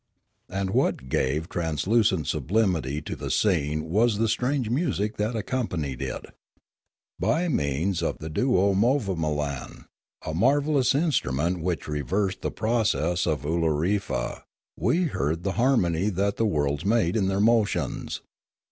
And what gave transcendent sublimity to the scene was the strange music that accompanied it. By means of the duomovamolan, a marvellous instrument which reversed the processes of Oolorefa, we heard the har mony that the worlds made in their motions.